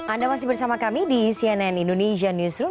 anda masih bersama kami di cnn indonesia newsroom